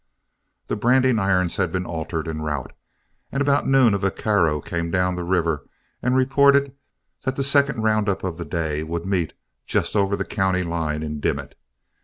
The branding irons had been altered en route, and about noon a vaquero came down the river and reported that the second round up of the day would meet just over the county line in Dimmit.